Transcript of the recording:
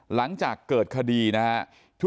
หลังจากเกิดคดีนะฮะ